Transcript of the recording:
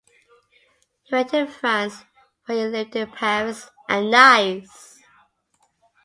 He went to France where he lived in Paris and Nice.